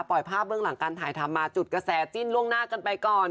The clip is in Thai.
ภาพเบื้องหลังการถ่ายทำมาจุดกระแสจิ้นล่วงหน้ากันไปก่อน